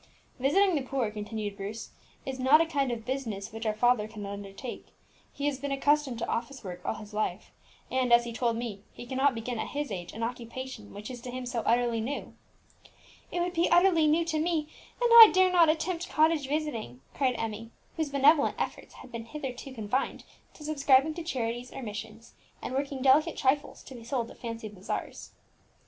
"Visiting the poor," continued Bruce, "is not a kind of business which our father can undertake; he has been accustomed to office work all his life, and, as he told me to day, he cannot begin at his age an occupation which is to him so utterly new." "It would be utterly new to me, and I dare not attempt cottage visiting!" cried Emmie, whose benevolent efforts had hitherto been confined to subscribing to charities or missions, and working delicate trifles to be sold at fancy bazaars.